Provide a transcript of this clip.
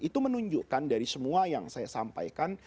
itu menunjukkan dari semua yang saya sampaikan